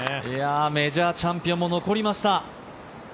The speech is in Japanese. メジャーチャンピオンも残りました。